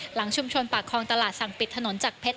หลังชุมชนปากคลองตลาดสั่งปิดถนนจากเพชร